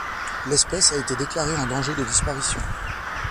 L'espèce a été déclarée en danger de disparition.